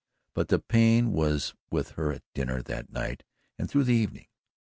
But the pain was with her at dinner that night and through the evening.